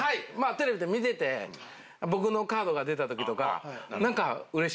テレビで見てて僕のカードが出た時とかなんかうれしかったです！